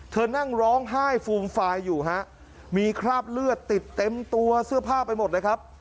เธอนั่งร้องไห้ฟูมฟายอยู่ฮะมีคราบเลือดติดเต็มตัวเสื้อผ้าไปหมดเลยครับ